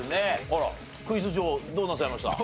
あらクイズ女王どうなさいました？